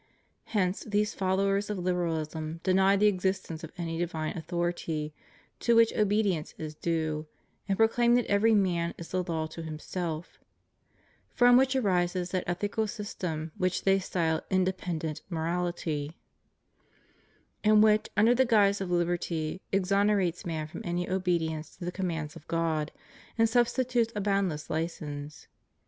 Hence these followers of Liberahsm deny the existence of any divine authority to which obedience is due, and proclaim that every man is the law to himself; from which arises that ethical system which they style inde pendent morality, and which, under the guise of liberty, exonerates man from any obedience to the commands of God, and substitutes a boundless license.